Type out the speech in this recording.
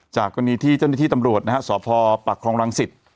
จากกรณีที่เจ้าหน้าที่ตำรวจนะฮะสพปรักษ์ครองรังศิษย์